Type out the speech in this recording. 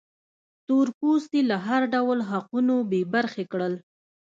تور پوستي له هر ډول حقونو بې برخې کړل.